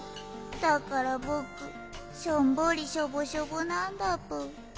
だからぼくしょんぼりしょぼしょぼなんだぷん。